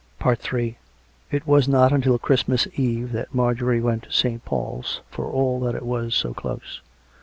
Ill It was not until Christmas Eve that Marjorie went to St. Paul's, for all that it was so close.